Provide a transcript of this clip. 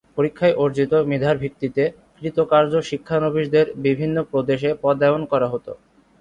পরীক্ষায় অর্জিত মেধার ভিত্তিতে কৃতকার্য শিক্ষানবিসদের বিভিন্ন প্রদেশে পদায়ন করা হতো।